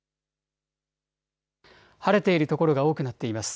晴れている所が多くなっています。